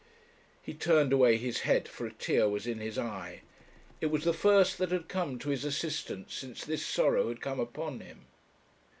He turned away his head, for a tear was in his eye. It was the first that had come to his assistance since this sorrow had come upon him.